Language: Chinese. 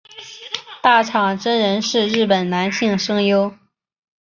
大场真人是日本男性声优。